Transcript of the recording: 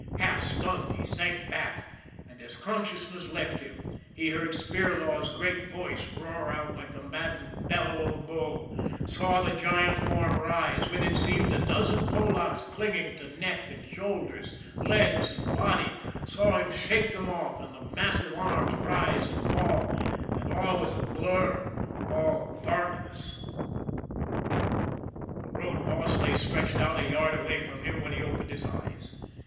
Half stunned, he sank back and, as consciousness left him, he heard Spirlaw's great voice roar out like the maddened bellow of a bull, saw the giant form rise with, it seemed, a dozen Polacks clinging to neck and shoulders, legs and body, saw him shake them off and the massive arms rise and fall and all was a blur, all darkness. The road boss lay stretched out a yard away from him when he opened his eyes.